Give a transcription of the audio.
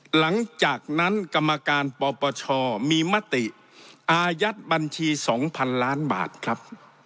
หลังจากนั้นกรรมการปปชมีมติอายัดบัญชี๒๐๐๐ล้านบาทครับ